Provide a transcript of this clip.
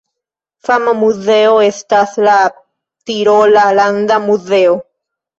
Fama muzeo estas la Tirola Landa Muzeo.